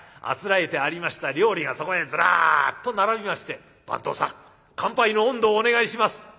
あつらえてありました料理がそこへずらっと並びまして「番頭さん乾杯の音頭をお願いします」。